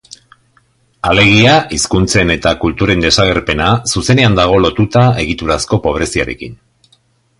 Alegia, hizkuntzen eta kulturen desagerpena zuzenean dago lotuta egiturazko pobreziarekin.